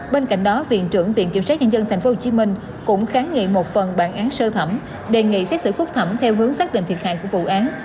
bên cạnh đó viện trưởng viện kiểm sát nhân dân tp hcm cũng kháng nghị một phần bản án sơ thẩm đề nghị xét xử phúc thẩm theo hướng xác định thiệt hại của vụ án